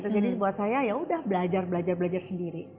jadi buat saya ya udah belajar belajar sendiri